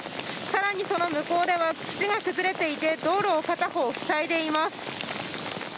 更にその向こうでは土が崩れていて道路を片方塞いでいます。